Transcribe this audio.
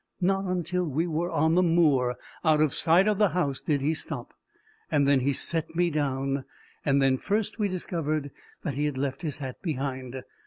Not until we were on the moor, out of sight of the house, did he stop. Then he set me down; and then first we discovered that he had left his hat behind.